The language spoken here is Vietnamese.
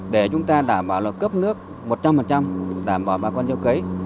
để chúng ta đảm bảo là cấp nước một trăm linh đảm bảo bà con gieo cấy